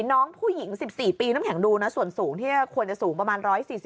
น้องผู้หญิง๑๔ปีน้ำแข็งดูนะส่วนสูงที่ควรจะสูงประมาณ๑๔๐